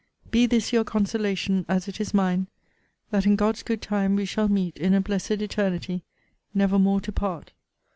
Be this your consolation, as it is mine, that in God's good time we shall meet in a blessed eternity, never more to part!